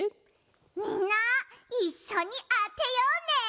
みんないっしょにあてようね。